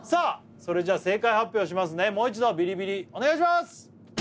それじゃ正解発表しますねもう一度ビリビリお願いします！